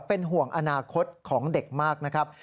เป็นห่วงอนาคตของเด็กมากนะครับ